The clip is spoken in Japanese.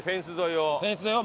フェンス沿いを。